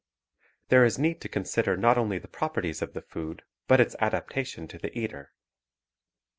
There is need to consider not only the properties of the food but its adaptation to the eater.